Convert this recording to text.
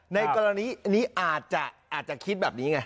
ในกรณีนี้อาจจะคิดแบบนี้ไง